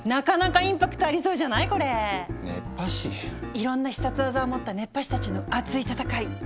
いろんな必殺技を持った熱波師たちのアツい戦い。